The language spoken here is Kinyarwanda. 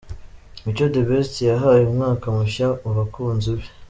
Mico The Best yahaye umwaka mushya abakunzi be.